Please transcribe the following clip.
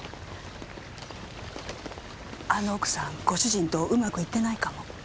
あの奥さんご主人とうまくいってないかも。